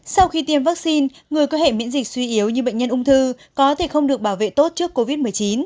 sau khi tiêm vaccine người có hệ miễn dịch suy yếu như bệnh nhân ung thư có thể không được bảo vệ tốt trước covid một mươi chín